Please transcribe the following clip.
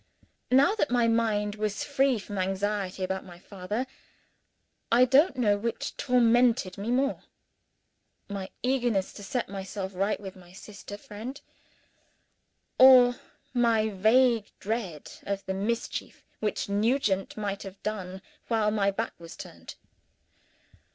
Now that my mind was free from anxiety about my father, I don't know which tormented me most my eagerness to set myself right with my sister friend, or my vague dread of the mischief which Nugent might have done while my back was turned.